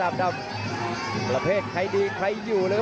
ดาบดำเล่นงานบนเวลาตัวด้วยหันขวา